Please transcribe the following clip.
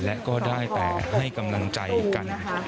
และก็ได้แต่ให้กำลังใจกัน